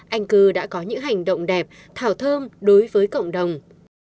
anh cư đã có những hành động đẹp thảo thơm đối với cộng đồng